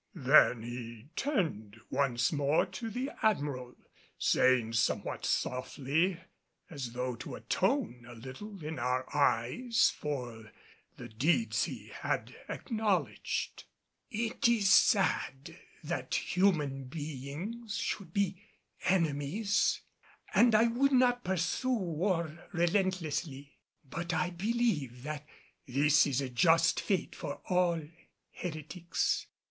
Then he turned once more to the Admiral, saying somewhat softly as though to atone a little in our eyes for the deeds he had acknowledged, "It is sad that human beings should be enemies and I would not pursue war relentlessly. But I believe that this is a just fate for all heretics.